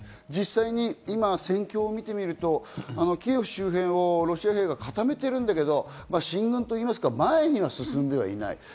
実際に今、戦況を見てみると、キエフ周辺をロシア兵が固めているんだけど、進軍と言いますか、前には進んでいない。